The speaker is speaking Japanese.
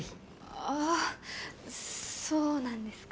あそうなんですか。